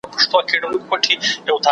هغه د راتلونکي په اړه ژور چورتونه وهل.